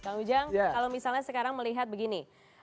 kang ujang kalau misalnya sekarang melihat begini